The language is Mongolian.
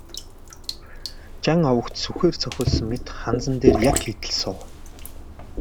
Жан овогт сүхээр цохиулсан мэт ханзан дээр яг хийтэл суув.